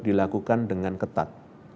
dilakukan dengan ketat